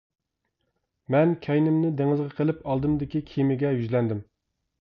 مەن كەينىمنى دېڭىزغا قىلىپ ئالدىمدىكى كېمىگە يۈزلەندىم.